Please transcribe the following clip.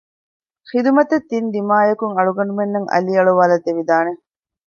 ޚިދުމަތަށް ތިން ދިމާޔަކުން އަޅުގަނޑުމެންނަށް އަލިއަޅުވައިލެވިދާނެ